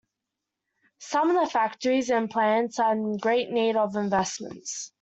Some of the factories and plants are in great need of investments.